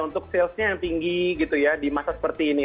untuk salesnya yang tinggi gitu ya di masa seperti ini